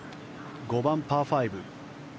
５番、パー５。